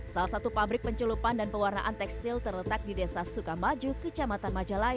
salah satu pabrik penculupan dan pewarnaan tekstil terletak di desa sukamaju kecamatan majalah